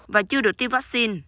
và chưa được tiêm vaccine